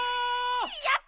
やった！